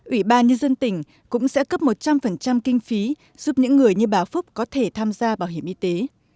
ủy ban nhân dân tỉnh cũng sẽ cấp một trăm linh kinh phí giúp những người như bà phúc có thể tham gia bảo hiểm y tế